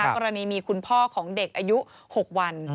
กรณีมีคุณพ่อของเด็กอายุ๖วัน